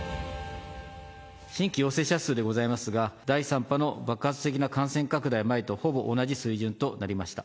新規陽性者数でございますが、第３波の爆発的な感染拡大前とほぼ同じ水準となりました。